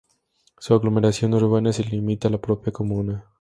Su aglomeración urbana se limita la propia comuna.